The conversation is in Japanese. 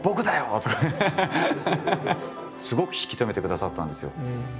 すごく引き止めてくださったんですよ。